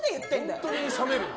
本当に冷める。